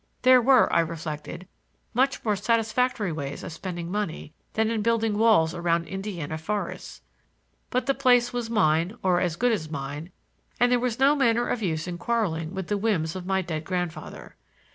There were, I reflected, much more satisfactory ways of spending money than in building walls around Indiana forests. But the place was mine, or as good as mine, and there was no manner of use in quarreling with the whims of my dead grandfather.